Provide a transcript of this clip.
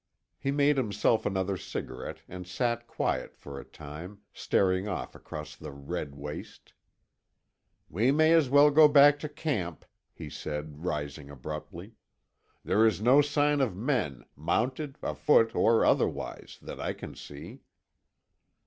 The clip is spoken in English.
He made himself another cigarette, and sat quiet for a time, staring off across the red waste. "We may as well go back to camp," he said, rising abruptly. "There is no sign of men, mounted, afoot, or otherwise, that I can see."